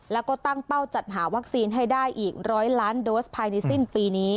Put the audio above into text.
แล้วก็ตั้งเป้าจัดหาวัคซีนให้ได้อีก๑๐๐ล้านโดสภายในสิ้นปีนี้